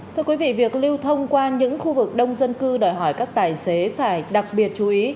thưa quý vị việc lưu thông qua những khu vực đông dân cư đòi hỏi các tài xế phải đặc biệt chú ý